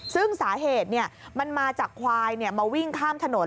ซึ่งสาเหตุมันมาจากควายมาวิ่งข้ามถนน